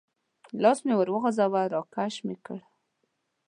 لاس مې ور وغځاوه، را کش مې کړل.